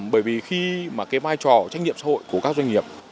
bởi vì khi vai trò trách nhiệm xã hội của các doanh nghiệp